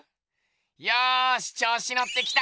よしちょうしのってきた！